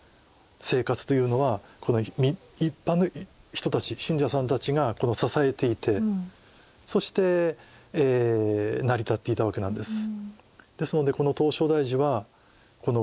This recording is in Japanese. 生活というのは一般の人たち信者さんたちが支えていてそして成り立っていたわけなんです。